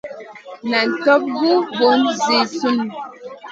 Nan tab gu bùn zi sùn.